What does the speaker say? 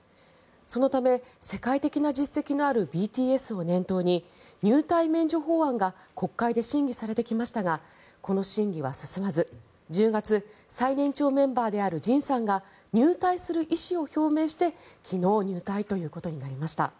そのため、世界的な実績のあるＢＴＳを念頭に入隊免除法案が国会で審議されてきましたがこの真偽は進まず、１０月最年長メンバーであるＪＩＮさんが入隊する意思を表明して昨日、入隊ということになりました。